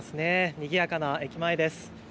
にぎやかな駅前です。